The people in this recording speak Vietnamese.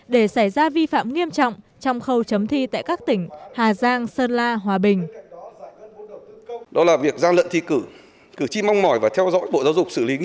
để xảy ra vi phạm nghiêm trọng trong khâu chấm thi tại các tỉnh hà giang sơn la hòa bình